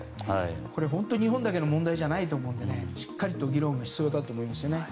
本当に、日本だけの問題じゃないと思うので議論が必要だと思います。